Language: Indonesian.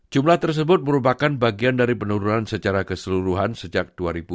jumlah tersebut merupakan bagian dari penurunan secara keseluruhan sejak dua ribu dua puluh